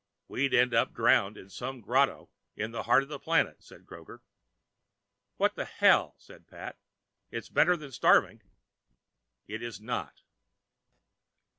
We'd end up drowned in some grotto in the heart of the planet, says Kroger. "What the hell," says Pat, "it's better than starving." It is not.